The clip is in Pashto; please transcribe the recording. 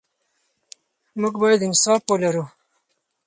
موږ باید انصاف ولرو.